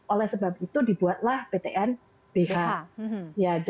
oleh sebab itu dibuatlah ptnbh